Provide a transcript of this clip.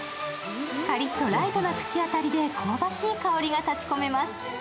カリッとライトな口当たりで香ばしい香りが立ちこめます。